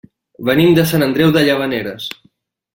Venim de Sant Andreu de Llavaneres.